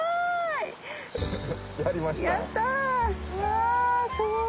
うわすごい。